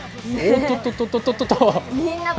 おっとっとっと。